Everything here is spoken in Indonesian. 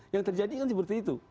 yang terjadi kan seperti itu